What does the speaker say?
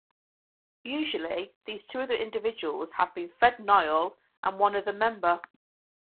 Usually, these two individuals have been Fred Nile and one other member.